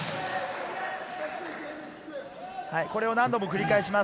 これを何度も繰り返します。